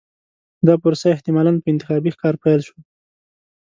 دا پروسه احتمالاً په انتخابي ښکار پیل شوه.